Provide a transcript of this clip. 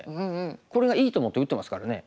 これがいいと思って打ってますからね。